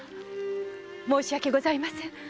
申し訳ございません。